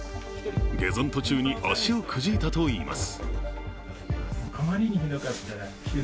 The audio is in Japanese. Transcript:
下山途中に足をくじいたといいます。